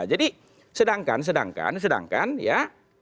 jadi sedangkan sedangkan sedangkan ya